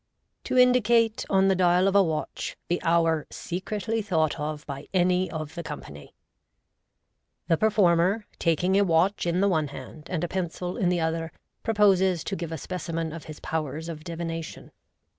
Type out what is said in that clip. To INDICATE ON THE DlAL OF A WaTCH THE HOUR SECRETLY thought op by any of the Company. — The performer, taking a watch in the one hand, and a pencil in the other, proposes to give a specimen of his powers of divination.